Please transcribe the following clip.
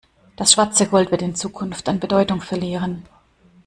Das schwarze Gold wird in Zukunft an Bedeutung verlieren.